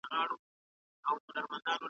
د تېر وخت له پېښو څخه عبرت واخلئ.